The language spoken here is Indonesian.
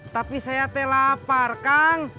tapi saya telapar kang